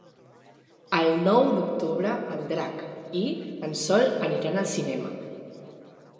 El nou d'octubre en Drac i en Sol aniran al cinema.